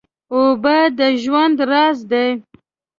اوبه د ژوند راز دی.